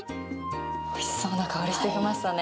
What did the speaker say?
おいしそうな香りがしてきましたね。